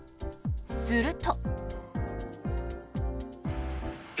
すると。